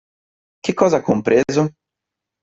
Che cosa ha compreso?